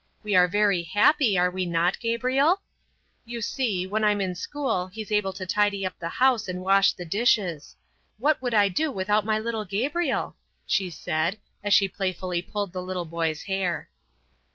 We are very happy, are we not, Gabriel? You see, when I'm in school he's able to tidy up the house and wash the dishes. What would I do without my little Gabriel?" she said, as she playfully pulled the little boy's hair.